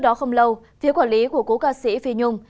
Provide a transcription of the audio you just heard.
đó không lâu phía quản lý của cố ca sĩ phi nhung